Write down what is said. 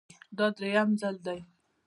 دا درېیم ځل دی